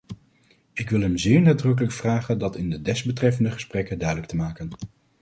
Ik wil hem zeer nadrukkelijk vragen dat in de desbetreffende gesprekken duidelijk te maken.